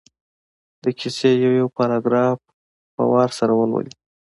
د کیسې یو یو پراګراف په وار سره ولولي.